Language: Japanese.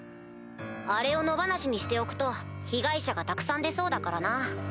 あれを野放しにしておくと被害者がたくさん出そうだからな。